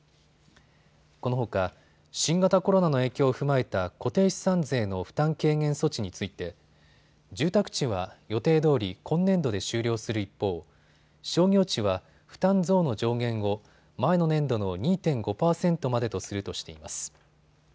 このほか新型コロナの影響を踏まえた固定資産税の負担軽減措置について住宅地は予定どおり今年度で終了する一方、商業地は負担増の上限を前の年度の２．５％までとするとしています。